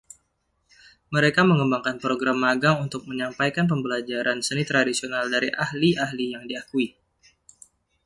Mereka mengembangkan program magang untuk menyampaikan pembelajaran seni tradisional dari ahli-ahli yang diakui.